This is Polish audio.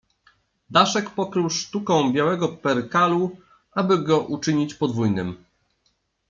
Daszek pokrył sztuką białego perkalu, aby go uczynić podwójnym.